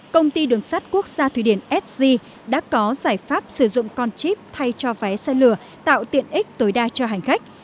công ty đường sắt quốc gia thủy điện sg đã có giải pháp sử dụng con chip thay cho vé xe lửa tạo tiện ích tối đa cho hành khách